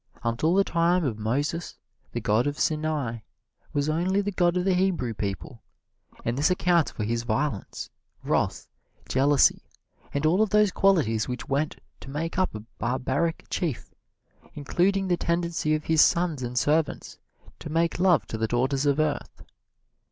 Until the time of Moses, the God of Sinai was only the God of the Hebrew people, and this accounts for His violence, wrath, jealousy, and all of those qualities which went to make up a barbaric chief, including the tendency of His sons and servants to make love to the daughters of earth.